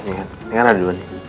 ini kan ada dua nih